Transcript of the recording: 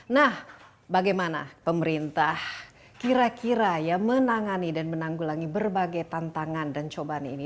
nah bagaimana pemerintah kira kira ya menangani dan menanggulangi berbagai tantangan dan cobaan ini